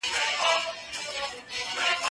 زه هره ورځ قلم استعمالوم!.